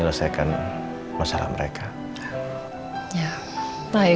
apa sih misalnya